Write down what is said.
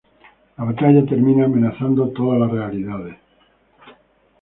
La batalla termina amenazando todas las realidades.